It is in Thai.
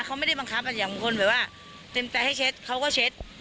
เขาไม่ได้บังคับอย่างบางคนแบบว่าเต็มใจให้เช็ดเขาก็เช็ด